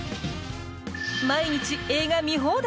毎日、映画見放題？